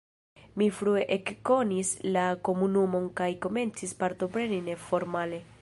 Mi frue ekkonis la komunumon kaj komencis partopreni neformale.